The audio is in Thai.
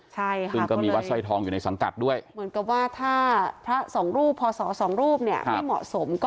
ใช่ค่ะซึ่งก็มีวัดสร้อยทองอยู่ในสังกัดด้วยเหมือนกับว่าถ้าพระสองรูปพอสอสองรูปเนี่ยไม่เหมาะสมก็